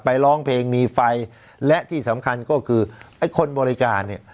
ร้องเพลงมีไฟและที่สำคัญก็คือไอ้คนบริการเนี่ย